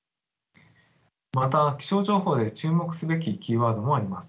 また気象情報で注目すべきキーワードもあります。